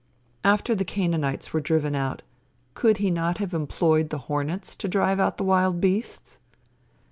After the Canaanites were driven out, could he not have employed the hornets to drive out the wild beasts?